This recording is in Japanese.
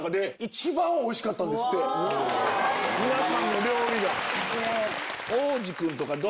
皆さんの料理が。